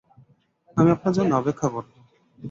আমি আপনার জন্যে অপেক্ষা করব।